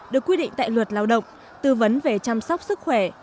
được quy định tại luật lao động tư vấn về chăm sóc sức khỏe